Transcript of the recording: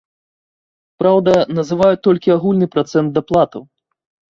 Праўда, называюць толькі агульны працэнт даплатаў.